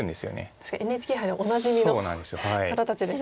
確かにＮＨＫ杯でもおなじみの方たちですね。